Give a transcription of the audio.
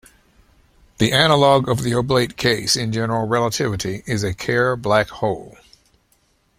The analogue of the oblate case in general relativity is a Kerr black hole.